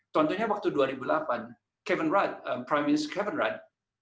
contohnya waktu dua ribu delapan prime minister kevin rudd